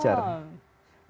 sebagai agen agen pembelajar